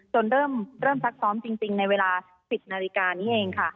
จนเริ่มทรักซ้อมจริงในเวลา๑๐๐๐นนี้เอง